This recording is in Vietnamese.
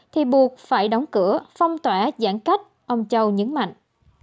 thì buộc phải đóng cửa phong tỏa giãn cách ông châu nhấn mạnh